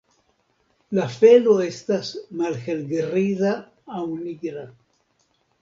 La felo estas malhelgriza aŭ nigra.